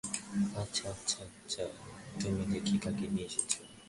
আচ্ছা, আচ্ছা, আচ্ছা, দেখি তুমি কাকে নিয়ে এসেছো!